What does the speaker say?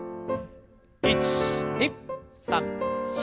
１２３４。